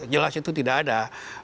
jelas itu tidak ada